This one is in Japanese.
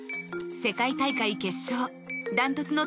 世界大会決勝。